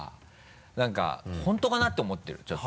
何か本当かな？って思ってるちょっと。